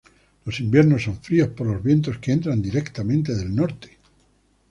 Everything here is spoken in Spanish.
Los inviernos son fríos por los vientos que entran directamente del norte.